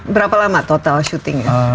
berapa lama total shootingnya